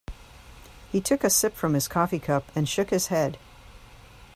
He took a sip from his coffee cup and shook his head.